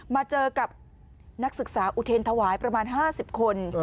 มาเจอกับนักศึกษาอุเทรนถวายประมาณ๕๐คน